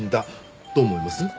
どう思います？